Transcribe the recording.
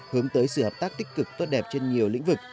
hướng tới sự hợp tác tích cực tốt đẹp trên nhiều lĩnh vực